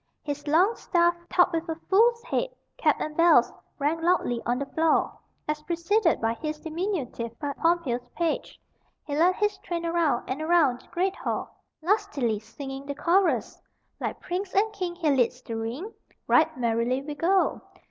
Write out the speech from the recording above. His long staff, topped with a fool's head, cap, and bells, rang loudly on the floor, as, preceded by his diminutive but pompous page, he led his train around and around the great hall, lustily singing the chorus: "Like prince and king he leads the ring; Right merrily we go.